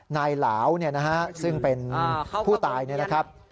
นายเหลาซึ่งเป็นผู้ตายนี่นะครับ